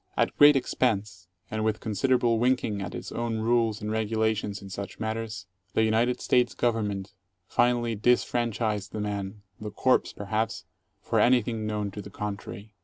At great expense, and with considerable winking at its own rules and regu lations" in such matters, the United States Government finally dis franchised the man — the corpse, perhaps, for anything known to the contrary.